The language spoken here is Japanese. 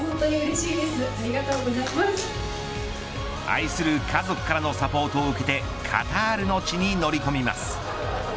愛する家族からのサポートを受けてカタールの地に乗り込みます。